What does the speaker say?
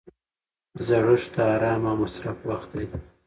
زړښت د ارام او مصرف وخت دی.